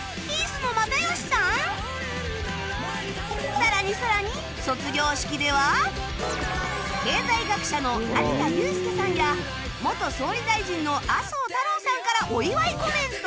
さらにさらに経済学者の成田悠輔さんや元総理大臣の麻生太郎さんからお祝いコメント